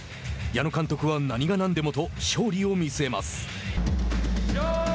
矢野監督は何が何でもと勝利を見据えます。